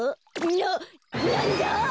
ななんだあ？